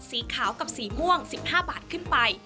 สีขาวกับสีม่วง๑๕บาทขึ้นไป